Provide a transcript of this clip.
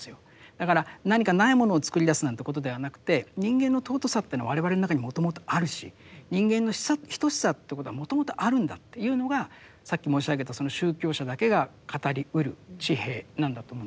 だから何か無いものを作り出すなんてことではなくて人間の尊さというのは我々の中にもともとあるし人間の等しさってことはもともとあるんだっていうのがさっき申し上げた宗教者だけが語りうる地平なんだと思うんです。